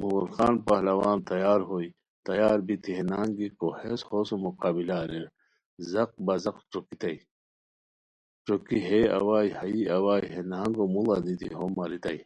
مغل خان پہلوان تیار ہوئے تیار بیتی ہے نہنگ گیکو ہیس ہو سوم مقابلہ اریر، زق پہ زق ݯوکیتائے، ݯوکی ہئے اوائے ہائی اوائے ہے نہنگو موڑا دیتی ہو ماریتائے